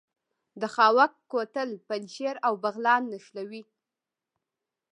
د خاوک کوتل پنجشیر او بغلان نښلوي